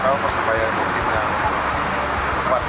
kita tahu persebaya itu mungkin yang kuat